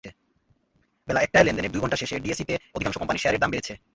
বেলা একটায় লেনদেনের দুই ঘণ্টা শেষে ডিএসইতে অধিকাংশ কোম্পানির শেয়ারের দাম বেড়েছে।